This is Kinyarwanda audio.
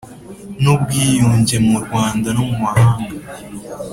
n ubwiyunge mu Rwanda no mu mahanga